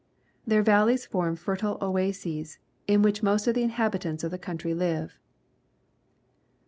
Their valleys form fertile oases, in which most of the inhabitants of the country live.